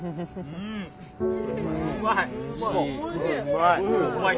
うまい。